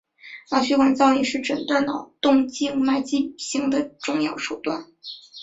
脑血管造影是诊断脑动静脉畸形的重要手段。